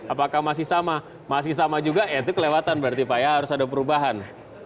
apakah masih sama masih sama juga itu kelewatan berarti pak ya harus ada perubahan